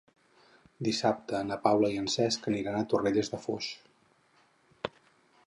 Dissabte na Paula i en Cesc aniran a Torrelles de Foix.